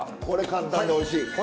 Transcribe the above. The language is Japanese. これ簡単でおいしい。